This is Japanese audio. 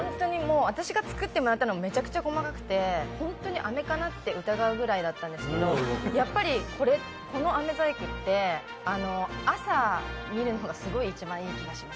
私が作ってもらったのもめちゃくちゃ細かくて、本当にあめかなと思ったんですけど、やっぱり、このあめ細工って、朝、見るのが一番いい気がします。